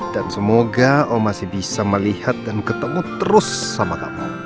dan semoga om masih bisa melihat dan ketemu terus sama kamu